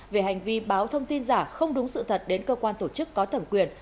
về hành vi báo thông tin giả không đúng sự thật đến cơ quan tổ chức có thẩm quyền